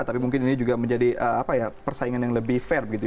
tapi mungkin ini juga menjadi persaingan yang lebih fair gitu ya